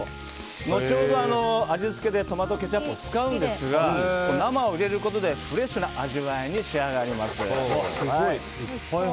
後ほど味付けでトマトケチャップを使うんですが生を入れることでフレッシュな味わいに仕上がります。